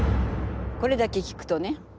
これだけ聞くとね。